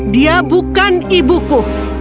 dia bukan ibuku